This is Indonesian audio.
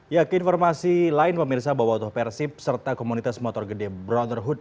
ya keinformasi lain pemirsa boboto persib serta komunitas motor gede brotherhood